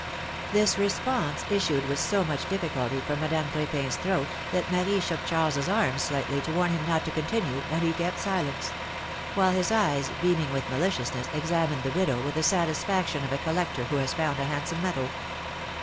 This response issued with so much difficulty from Madame Crepin's throat, that Marie shook Charles^ arm slightly, to warn him not to continue^ and he kept silence; while his eyes, beaming with maliciousness, 98 PHIL0M^:NE'S MAERIAGES. examined the widow with the satisfaction of a collector who has found a handsome medal.